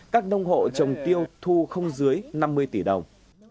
các nông hộ trồng tiêu thu không dưới năm mươi tỷ đồng